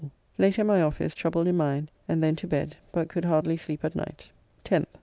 "] Late at my office, troubled in mind, and then to bed, but could hardly sleep at night. 10th.